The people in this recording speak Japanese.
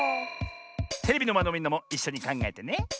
テレビのまえのみんなもいっしょにかんがえてね。